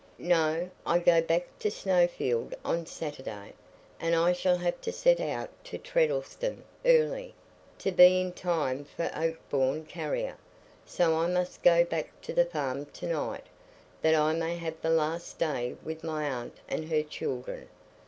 "No, I go back to Snowfield on Saturday, and I shall have to set out to Treddleston early, to be in time for the Oakbourne carrier. So I must go back to the farm to night, that I may have the last day with my aunt and her children.